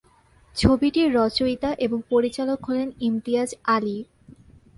ছবিটির রচয়িতা এবং পরিচালক হলেন ইমতিয়াজ আলী।